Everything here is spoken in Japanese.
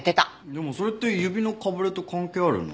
でもそれって指のかぶれと関係あるの？